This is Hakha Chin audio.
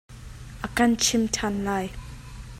A kan cham ṭhan lai.